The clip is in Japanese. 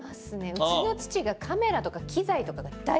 うちの父がカメラとか機材とかが大好きで。